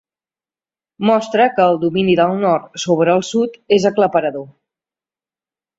Mostra que el domini del Nord sobre el Sud és aclaparador.